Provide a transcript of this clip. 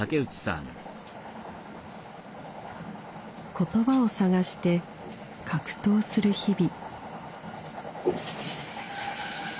言葉を探して格闘する日々。